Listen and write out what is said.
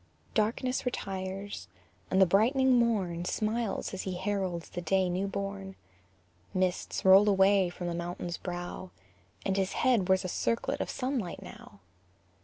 _ Darkness retires, and the brightening morn Smiles as he heralds the day new born. Mists roll away from the mountain's brow, And his head wears a circlet of sunlight now.